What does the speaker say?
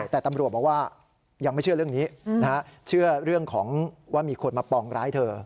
แต่ตำรวจบอกว่ายังไม่เชื่อเรื่องนี้เชื่อเรื่องของว่ามีคนมาปองร้ายเธอ